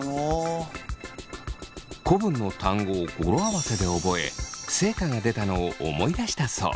古文の単語を語呂合わせで覚え成果が出たのを思い出したそう。